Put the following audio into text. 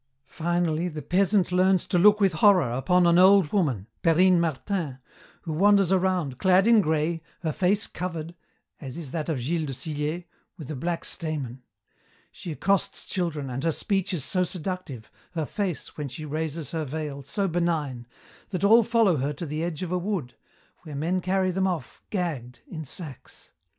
Finally, the peasant learns to look with horror upon an old woman, Perrine Martin, who wanders around, clad in grey, her face covered as is that of Gilles de Sillé with a black stamin. She accosts children, and her speech is so seductive, her face, when she raises her veil, so benign, that all follow her to the edge of a wood, where men carry them off, gagged, in sacks.